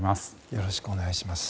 よろしくお願いします。